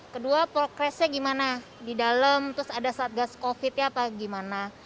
kedua progresnya gimana di dalam terus ada saat gas covidnya apa gimana